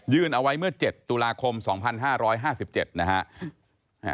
เอาไว้เมื่อ๗ตุลาคม๒๕๕๗นะฮะ